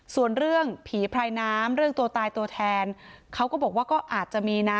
ส่วนเรื่องผีพรายน้ำเรื่องตัวตายตัวแทนเขาก็บอกว่าก็อาจจะมีนะ